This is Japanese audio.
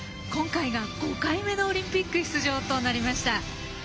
今回が５回目のオリンピック出場となりました。